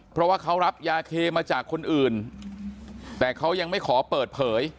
เพราะว่าเขารับยาเคมาจากคนอื่นแต่เขายังไม่ขอเปิดเผย